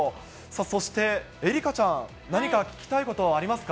そして愛花ちゃん、何か聞きたいことありますか？